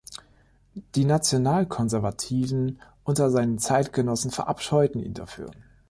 Die National-Konservativen unter seinen Zeitgenossen verabscheuten ihn dafür.